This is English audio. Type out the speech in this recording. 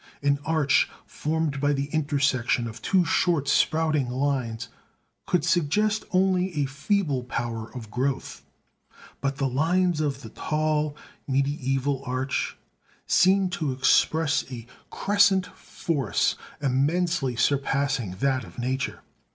An arch formed by the intersection of two short sprouting lines could suggest only a feeble power of growth; but the lines of the tall mediæval arch seem to express a crescent force immensely surpassing that of nature.